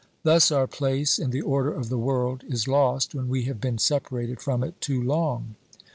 Thus our place in the order of the world is lost when we have been separated from it too long.